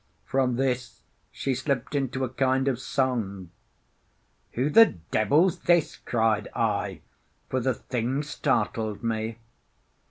From this she slipped into a kind of song. "Who the devil's this?" cried I, for the thing startled me.